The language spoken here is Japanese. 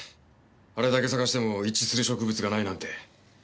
あれだけ探しても一致する植物がないなんて。